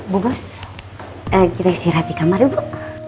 bu bos kita istirahat di kamar ya bu